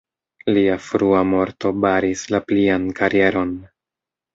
Lia frua morto baris la plian karieron.